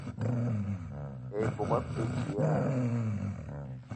Ebok e pe dilaah?